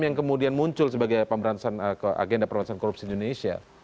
yang kemudian muncul sebagai agenda pemberantasan korupsi di indonesia